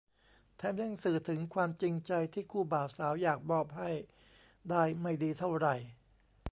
แถมยังสื่อถึงความจริงใจที่คู่บ่าวสาวอยากมอบให้ได้ไม่ดีเท่าไหร่